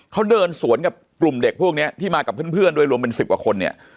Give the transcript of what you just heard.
เขาเดินสวนกับกลุ่มเด็กพวกนี้ที่มากับเพื่อนด้วยรวมเป็น๑๐กว่าคนเนี่ย